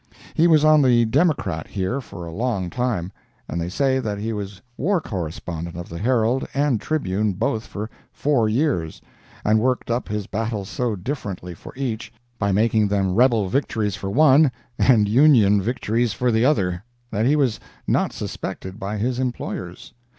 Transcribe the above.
He was on the Democrat here for a long time, and they say that he was war correspondent of the Herald and Tribune both for four years, and worked up his battles so differently for each, by making them rebel victories for one and Union victories for the other, that he was not suspected by his employers.